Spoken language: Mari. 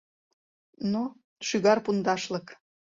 Но, шӱгар пундашлык.